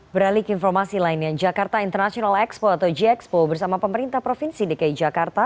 beralik informasi lainnya jakarta international expo atau gxpo bersama pemerintah provinsi dki jakarta